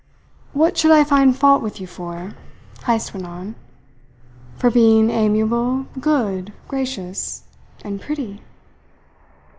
"What should I find fault with you for?" Heyst went on. "For being amiable, good, gracious and pretty?"